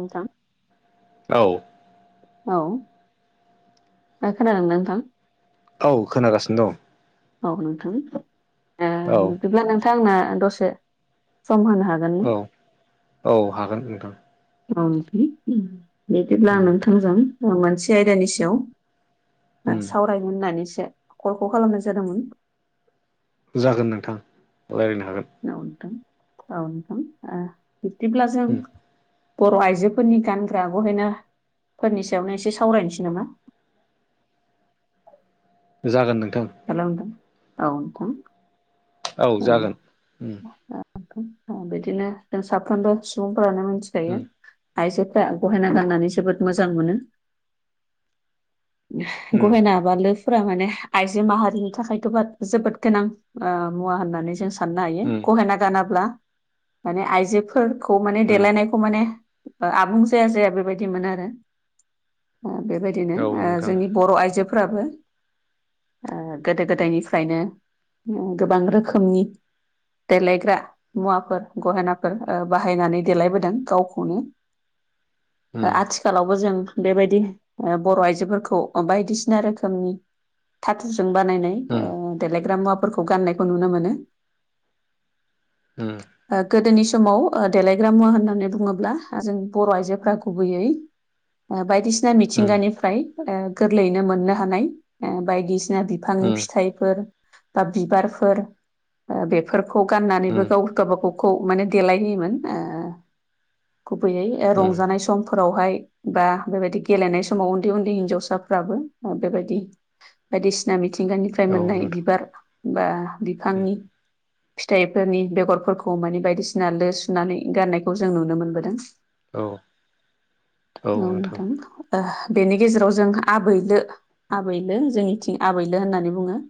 नोंथां। औ। औ नोंथांङा खोनादों ना नोंथां? औ खोनागासिनो दं। औ नोंथां ओ दं औ बिदिब्ला नोंथां ओ आंनो दसे सम होनो हागोन? औ औ हागोन नोंथां। औ बिदिब्ला आं उम नोंथांजों मोनसे आयदानि सायाव उम सावरायनो होननानैसो कलखौ खालामनाय जादों। जादोंमोन जागोन नोंथां रायलायनो हागोन। औ नोंथां बिब्दिब्ला जों उम बर' आइजोफोरनि गानग्रा गहेना फोरनि सायावनो एसे सावरायनोसै नामा? जागोन नोंथां। हेलौ नोंथां औ नोंथां औ जागोन। बिदिनो जों साफ्रोमबो सुबुंफोरानो मिथिखायो। उम आइजोफ्रा गहायना गाननानै जोबोद मोजां मोनो। उम गहेना बालोफोरा माने आइजो माहारिनि थाखायथ' बा जोबोद गोनां ओ मुवा होननानै जों साननो हायो उम गहेना गानाब्ला माने आइजोफोर खौ माने उम देलायनायखौ माने ओ आबुं जाया जाया बेबायदि मोनो आरो। बेबायदिनो औ नोंथां जोंनि बर' आइजोफोर फोराबो गोदो गोदायनिफ्रायनो ओम गोबां रोखोमनि देलायग्रा मुवाफोर गहेनाफोर ओ बाहायनानै देलायबोदों गावखौनो। उम ओ आथिखालावबो जों बेबायदि बर' आइजोफोरखौ बायदिसिना रोखोमनि थाथुजों बानायनाय उम उम ओ देलायग्रा मुवाफोरखौ गान्नायखौ नुनो मोनो। उम ओ गोदोनि समाव ओ देलायग्रा मुवा होननानै बुङोब्ला ओ जों बर' आइजोफ्रा गुबैयै बायदिसिना उम मिथिंगानिफ्राय ओ गोरलैयैनो मोननो हानाय ओ बायदिसिना बि बिफांनि उम फिथाइफोर बा बिबारफोर ओ बेफोरखौ गाननानैबो उम गाव गावबा गाव खौ माने देलाय होयोमोन ओ गुबैयै रंजानाय सम फोरावहाय बा बेबायदि गेलेनाय समाव उन्दै उन्दै हिनजावसाफ्राबो बेबायदि बायदिसिना मिथिंगानिफ्राय औ मोननाय नोंथां बिबार बा उम बिफांनि फिथाइफोरनि बेगरफोरखौ माने बायदिसिना लो सुनानै गारनायखौ जों नुनो मोनबोदों। औ [inaudible] औ नोंथां ओ बेनि गेजेराव जों आबै लो आबै लो जोंनिथिं आबैलो होननानै बुङो।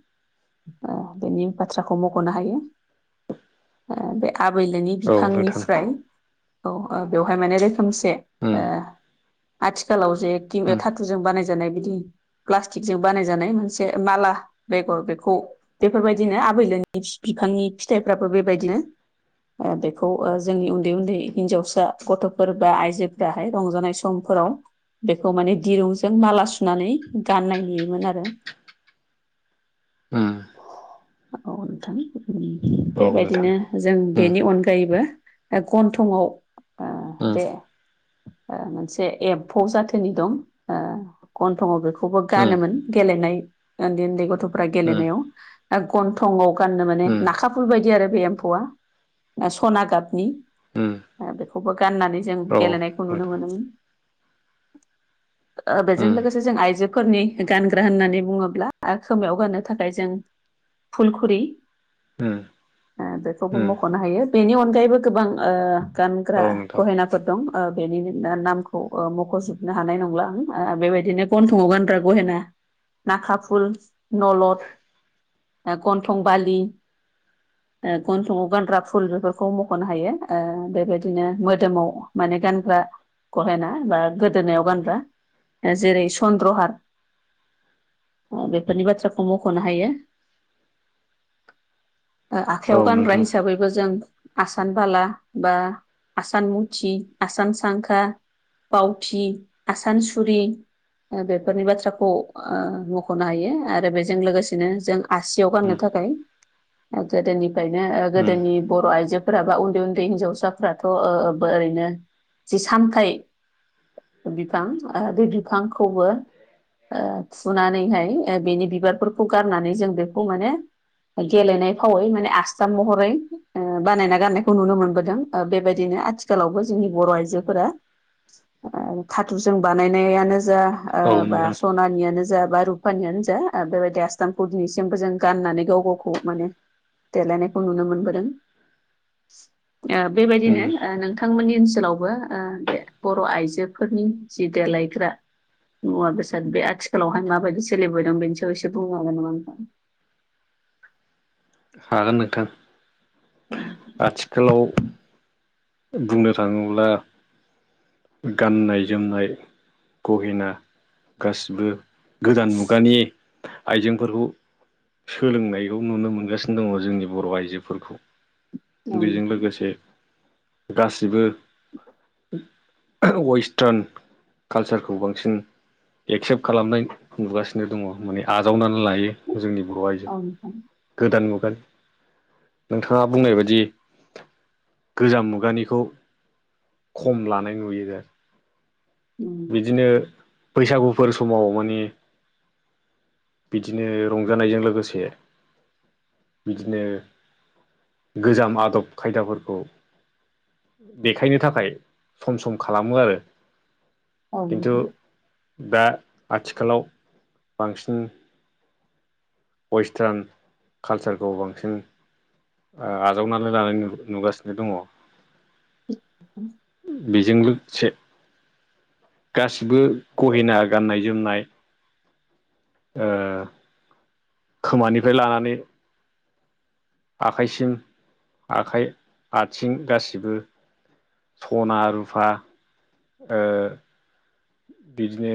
ओ बेनि बाथ्राखौ मख'नो हायो ओ बे आबै लोनि औ नोंथां बिफांनिफ्राय औ बेवहाय माने रोखोमसे उम ओ आथिखालाव जेखि उम धातुजों बानायजानाय बिदि प्लास्टिकजों बानायजानाय मोनसे माला बेगर बेखौ बेफोरबायदिनो आबै लोनि बिफांनि फिथाइफ्राबो बेबायदिनो। ओ बेखौ जोंनि ओ उन्दै उन्दै हिन्जावसा गथ'फोर बा आयजोफोराहाय रंजानाय सम समफोराव बेखौ माने दिरुंजों माला सुनानै गाननाय नुयोमोन आरो। उम औ नोंथां औ नोंथां बेबायदिनो जों उम बेनि अनगायैबो गन्थंआव ओ उम दे ओ मोनसे एम्फौ जाथोनि दं ओ गन्थंआव बेखौबो उम गानोमोन गेलेनाय उन्दै उन्दै गथ'फ्रा उम गेलेनायाव। गन्थंआव गाननो माने उम नाखाफुल बायदि आरो बे एम्फौआ। ओ सना गाबनि। उम आरो बेखौबो गाननानै जों औ गेलेनायखौ नुनो नोंथां मोनोमोन। बेजों उम लोगोसे जों आइजोफोरनि गानग्रा होननानै बुङोब्ला खोमायाव गाननो थाखाय जों फुलखुरि ओम बेखौबो मख'नो हायो बेनि अनगायैबो गोबां औ गानग्रा नोंथां गहेनाफो -र दं बेनि नामखौ मख'जोबनो हानाय नंला आं बेबायदिनो गन्थङाव गानग्रा गहेना नाखा फुल नलद गन्थं बालि गनथंआव गानग्रा फुल बेफोरखौ मख'नो हायो बेबायदिनो मोदोमाव माने गानग्रा गहेना बा गोदोनायाव गानग्रा जेरै चन्द्रहार अ बेफोरनि बाथ्राखौ मख'नो हायो आखायाव औ गानग्रा नोंथां हिसाबै जों आसान बाला बा आसान मुथि आसान सांखा बावथि आसानसुरि बेफोरनि बाथ्राखौ मख'नो हायो आरो बेजों लोगोसेनो जों आसियाव उम गाननो थाखाय गोदोनिफ्रायनो उम गोदोनि बर' आइजोफोराबा उन्दै उन्दै हिनजावसा थ' ओरैनो जि सामथाइ बिफां दै बिफांखौबो थुनानैहाय बेनि बिबारफोरखौ गारनानै जों बेखौ माने गेलेनाय फावै माने आसथ महरै बानायना गारनायखौ नुनो मोनबोदों बेबायदिनो आथिखाल आथिखालावबो जोंनि बर' आइजोफोरा थाथुरजों बानायनायानो जा औ बा नोंथां सनानियानो जा बा रुपानियानो जा बेबायदि आसस्थामपुरनि -खौ जों गाननानै गाव गावखौ माने देलायनायखौ नुनो मोनबोदों बेबायदिनो उम नोंथांमोननि ओनसोलावबो बे बर' आइजोफोरनि जि देलायग्रा मुवा बेसाद बे आथिखालावहाय माबायदि सोलिबायदोंं बेनि सायाव एसे बुंनो हागोन नामा नोंथां [inaudible] हागोन नोंथां औ आथिखालाव बुंनो थाङोब्ला गाननाय जोमनाय गहिना गासिबो गोदान मुगानि आइजेंफोरखौ सोलोंनायखौ नुनो मोनगासिनो दङ जोंनि बर' आइजोफोरखौ बेजों नोंथां लोगोसे गासिबो वेस्टार्न कालचारखौ बांसिन एक्सेप्ट खालामनाय नुगासिनो दङ माने आजावनानै लायो जोंनि बर' आइजो औ गोदान मुगोन नोंथाङा बुंनाय बायदि गोजाम मुगा खुगानिखौ खम लानाय नुयो आरो नोंथां बिदिनो बैसागुफोर समाव माने बिदिनो रंजानायजों लोगोसे बिदिनो गोजाम आदब खायदाफोरखौ देखायनो थाखाय सम सम खालामो आरो औ खिन्थु नोंथां दा आथिखालाव बांसिन वेस्टार्न कालसारखौ बांसिन आजावनानै लानाय नुगासिनो दङ बेजों लोगोसे गासिबो गहिना गाननाय जोमनाय खोमानिफ्राय लानानै आखाइसिम आखाइ आथिं गासिबो सना रुफा बिदिनो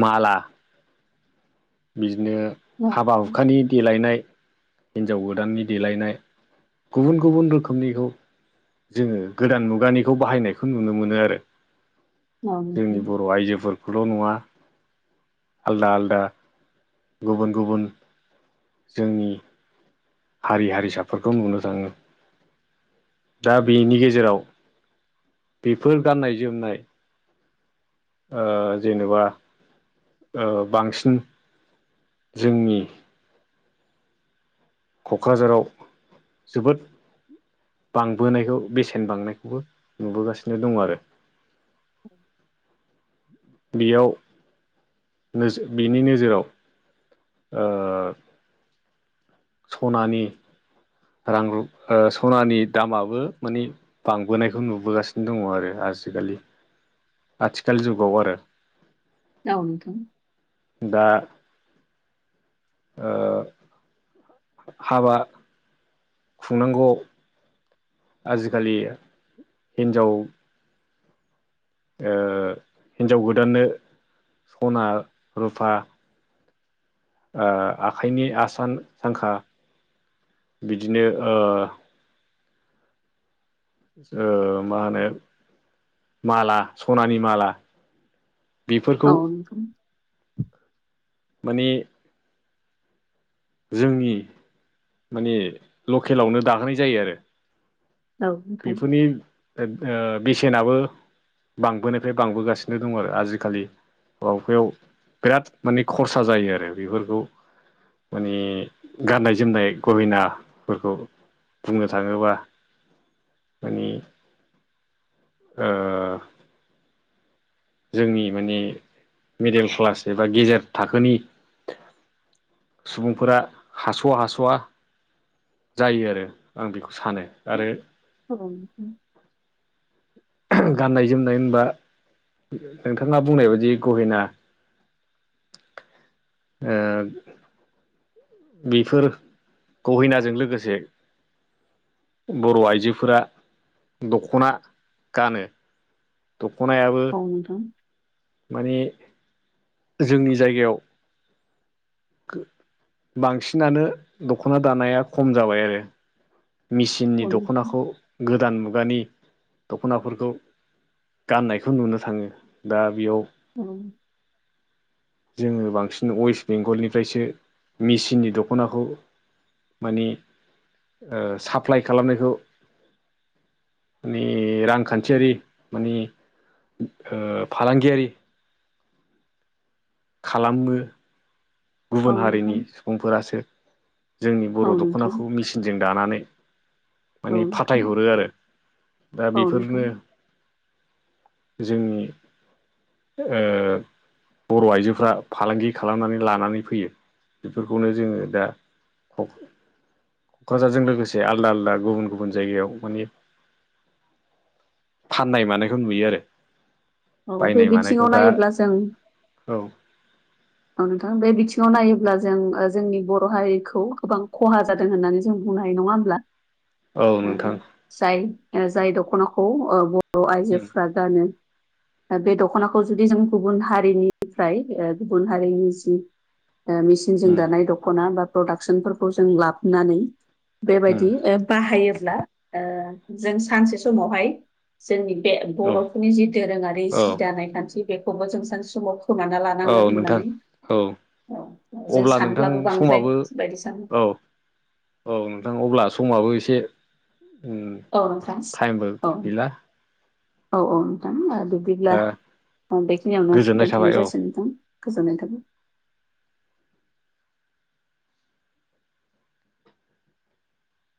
माला बिदिनो औ हाबा हुखानि देलायनाय हिन्जाव गोदाननि देलायनाय गुबुन गुबुन रोखोमनिखौ जोङो गोदान मुगानिखौ बाहायनायखौ नुनो मोनो आरो औ जोंनि नोंथां बर' आइजोफोरखौल' नङा आलदा आलदा गुबुन गुबुन जोंनि हारि हारिसाफोरखौ नुनो थाङो दा बेनि गेजेराव बेफोर गाननाय जोमनाय जेनेबा बांसिन जोंनि क'क्राझाराव जोबोद बांबोनायखौ बेसेन बांनायखौबो नुबोगासिनो दङ आरो औ बेयावनो बिनि नोजोराव सनानि रां र सनानि दामाबो मानि बांबोनायखौ नुबोगासिनो दङ आरो आजिखालि आथिखाल जुगाव आरो [unintelligible] दा हाबा खुंनांगौ आजिखालि हिन्जाव हिन्जाव गोदाननो सना रुफा आखाइनि आसान सांखा बिदिनो मा होनो माला सनानि माला आ बेफोरखौ माने जोंनि माने लकेलावनो दाहोनाय जायो आरो औ नोंथां बेफोरनि बेसेनाबो बांबोनायफ्राय बांबोगासिनो दङ आरो आजिखालि माबाफायाव बिराद माने खरसा जायो आरो बेफोरखौ माने गाननाय जोमनाय गहिनाफोरखौ बुंनो थाङोबा माने जोंनि माने मिडेल क्लास एबा गेजेर थाखोनि सुबुंफोरा हास'वा हास'वा जायो आरो आं बेखौ सानो आरो औ गाननाय जोमनाय होनबा नोंथाङा बुंनाय बायदि गहेना आ बेफोर गहिनाजों लोगोसे बर' आइजोफोरा दख'ना गानो दख'नायाबो बुंथां माने जोंनि जायगायाव बांसिनानो दख'ना दानाया खम जाबाय आरो मेसिननि नोंथां दख'नाखौ गोदान मुगानि दख'नाफोरखौ गाननायखौ नुनो थाङो दा बेयाव औ जोङो बांसिन वेस्ट बेंगलनिफ्रायसो मेसििननि दख'नाखौ माने साप्लाइ खालामनायखौ माने रांखान्थियारि माने फालांगियारि खालामो औ गुबुन हारिनि नोंथां सुबुंफोरासो जोंनि औ नोंथां औ बर' नोंथां दख'नाखौ मेसिनजों दानानै माने फाथायहरो आरो दा औ बेफोरनो नोंथां जोंनि बर' आइजोफ्रा फालांगि खालामनानै लानानै फैयो बेफोरखौनो जोङो दा क'क्राझारजों लोगोसे आलदा आलदा गुबुन गुबुन जायगायाव माने फाननाय मानायखौ नुयो आरो औ बे बायनाय मानायखौ बिथिङाव दा नायोब्ला जों औ औ नोंथां बे बिथिङाव नायोब्ला जों जोंनि बर' हारिखौ गोबां खहा जादों होननानै जों बुंनो हायो नङा होमब्ला औ नोंथां जाय जाय दख'नाखौ बर' उम आइजोफ्रा गानो बे दख'नाखौ जुदि जों गुबुन हारिनिफ्राय गुबुन हारिनि जि मेचिनजों उम दानाय दख'ना बा प्रडाक्सनफोरखौ जों लाबोनानै उम बेबायदि बाहायोब्ला जों सानसे समावहाय जोंनि बे औ बर'फोरनि जि दोरोङारि औ जि दानाय खान्थि बेखौबो जों सानसे समाव खोमाना औ लानांगोन नोंथां होननानै औ औ जों अब्ला नोंथां सानब्लाबो बांद्राय समाबो गोसोबायदि सानो औ औ नोंथां अब्ला समाबो एसे औ नोंथां टाइमबो औ गैला औ औ नोंथां बिब्दिब्ला दा बेखिनियावनो गोजोननाय थाबाय दोनथ'नाय औ जासिग नोंथां गोजोननाय थाबाय